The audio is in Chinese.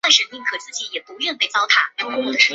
西南交通大学教授。